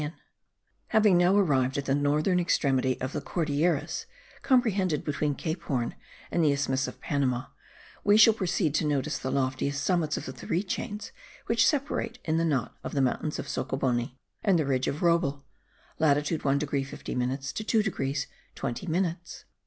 Having now arrived at the northern extremity of the Cordilleras, comprehended between Cape Horn and the isthmus of Panama, we shall proceed to notice the loftiest summits of the three chains which separate in the knot of the mountains of Socoboni, and the ridge of Roble (latitude 1 degree 50 minutes to 2 degrees 20 minutes).